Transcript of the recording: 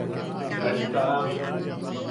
Aet taʼame.